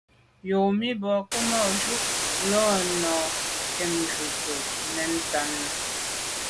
Yomi bo Kemaju’ na’ lo mà nkebnjù nke nèn ntàne.